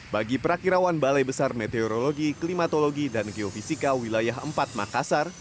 bagi perakirawan balai besar meteorologi klimatologi dan geofisika wilayah empat makassar